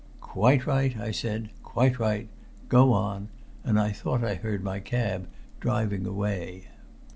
"Quite right," I said. "Quite right. Go on." And I thought I heard my cab driving away.